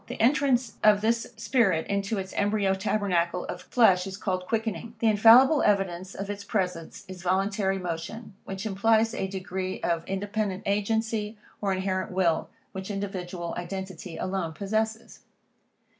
The entrance of this spirit into its embryo tabernacle of flesh, is called quickening. The infallible evidence of its presence is voluntary motion, which implies a degree of independent agency, or inherent will, which individual identity alone possesses.